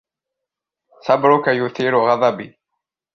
صبرك يثير غضبي